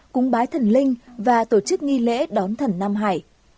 cúng bái thần linh và tổ chức nghi lễ đón thần nam hải